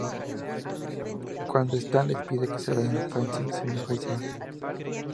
Cuando Stan les pide que se vayan Francine se enoja y se va.